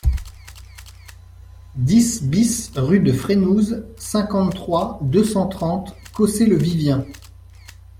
dix BIS rue de Frénouse, cinquante-trois, deux cent trente, Cossé-le-Vivien